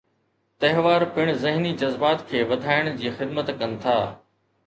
تہوار پڻ ذھني جذبات کي وڌائڻ جي خدمت ڪن ٿا.